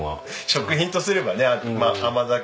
食品とすればねまあ甘酒。